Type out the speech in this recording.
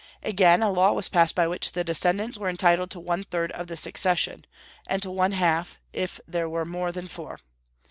Again, a law was passed by which the descendants were entitled to one third of the succession, and to one half if there were more than four.